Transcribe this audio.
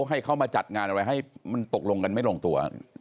ให้เขามาจัดงานอะไรให้มันตกลงกันไม่ลงตัว